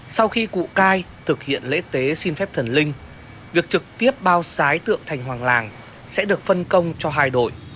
sau khi cụ cai thực hiện lễ tế xin phép thần linh việc trực tiếp bao sái tượng thành hoàng làng sẽ được phân công cho hai đội